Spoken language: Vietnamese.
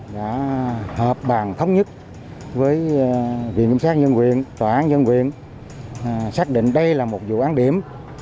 đã họp bàn thống nhất với viện kiểm sát nhân quyền tòa án nhân quyền xác định đây là một vụ án điểm